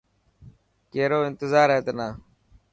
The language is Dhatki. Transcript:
ڪيرو انتظار هي تنا.